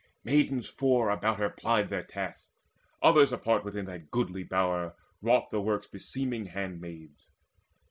Maidens four About her plied their tasks: others apart Within that goodly bower wrought the works Beseeming handmaids.